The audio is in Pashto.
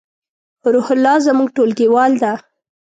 روح الله زمونږ ټولګیوال ده